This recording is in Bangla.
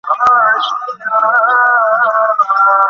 তিনি কলকাতা পাবলিক লাইব্রেরির লাইব্রেরিয়ান ছিলেন।